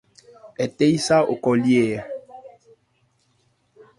Ɛ tɛ́ yí sá o khɔ lye hɛ.